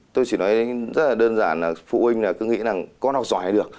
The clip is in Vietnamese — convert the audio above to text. tôi chỉ nói rất là đơn giản là phụ huynh cứ nghĩ là con học giỏi là được